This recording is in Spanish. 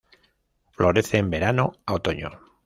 Florece en verano a otoño.